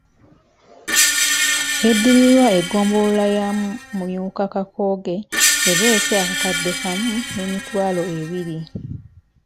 Eddirirwa eggombolola ya Mumyuka Kakooge ereese akakadde kamu n’emitwalo ebiri.